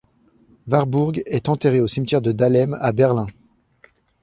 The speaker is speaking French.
Warburg est enterré au cimetière de Dahlem à Berlin.